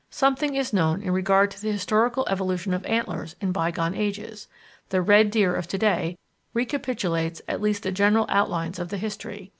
Something is known in regard to the historical evolution of antlers in bygone ages; the Red Deer of to day recapitulates at least the general outlines of the history.